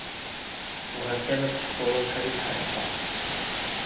Bɣiɣ kan ad teḥsuḍ acḥal i sḥassfaɣ.